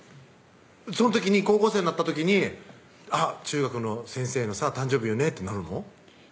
その時に高校生になった時に「中学の先生の誕生日よね」ってなるの？